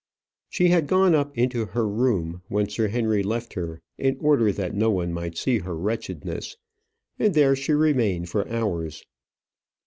She had gone up into her room when Sir Henry left her, in order that no one might see her wretchedness, and there she remained for hours.